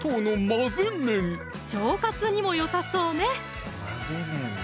腸活にもよさそうね